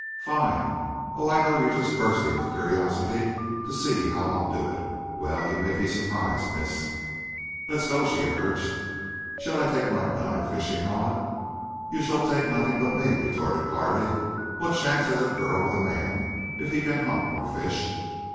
"Fine! Oh, I know you're just bursting with curiosity to see how I'll do it. Well, you may be surprised, miss." "Let's go," she urged. "Shall I take my gun or fishing rod?" "You shall take nothing but me," retorted Carley. "What chance has a girl with a man, if he can hunt or fish?"